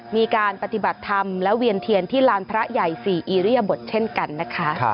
มีการปฏิบัติธรรมและเวียนเทียนที่ลานพระใหญ่๔อิริยบทเช่นกันนะคะ